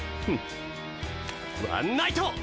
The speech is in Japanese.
ワンナイト！